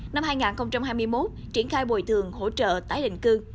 năm hai nghìn hai mươi một triển khai bồi thường hỗ trợ tái định cư